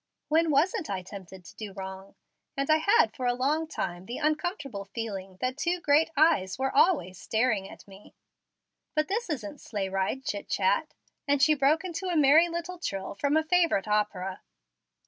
"' When wasn't I tempted to do wrong? and I had for a long time the uncomfortable feeling that two great eyes were always staring at me. But this isn't sleigh riding chit chat," and she broke into a merry little trill from a favorite opera.